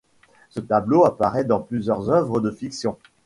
Ce tableau apparaît dans plusieurs œuvres de fiction.